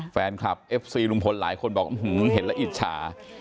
แฟนคลับเอฟซีลุงพลหลายคนบอกเห็นแล้วอิจฉา